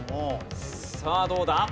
さあどうだ？